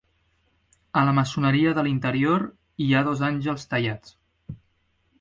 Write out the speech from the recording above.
A la maçoneria de l'interior hi ha dos àngels tallats.